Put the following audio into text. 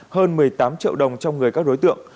hơn một mươi tám triệu đồng trong người các đối tượng